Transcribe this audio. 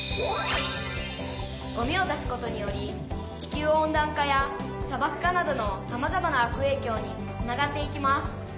「ゴミを出すことにより地球温暖化やさばく化などのさまざまな悪影響につながっていきます」。